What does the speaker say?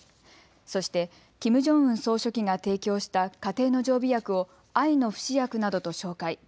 そしてキム・ジョンウン総書記が提供した家庭の常備薬を愛の不死薬などと紹介。